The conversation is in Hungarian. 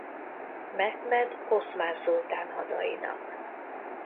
Mehmed oszmán szultán hadainak.